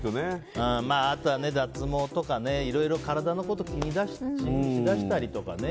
あとは、脱毛とかねいろいろ体のことを気にしだしたりとかね。